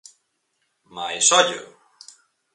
Mais, ollo!